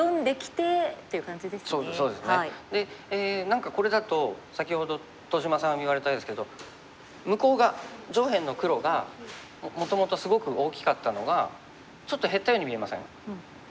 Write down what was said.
何かこれだと先ほど戸島さん言われたんですけど向こうが上辺の黒がもともとすごく大きかったのがちょっと減ったように見えません？